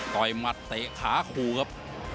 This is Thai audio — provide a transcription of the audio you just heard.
ต่อยมัดเตะขาขู่ครับ